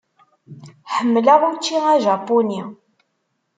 Ḥemmleɣ učči ajapuni.